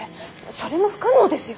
それも不可能ですよ。